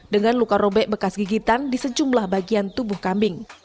dengan luka robek bekas gigitan di sejumlah bagian tubuh kambing